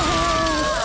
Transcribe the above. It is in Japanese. うわ！